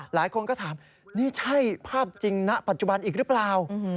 หลายคนก็ถามนี่ใช่ภาพจริงณปัจจุบันอีกหรือเปล่า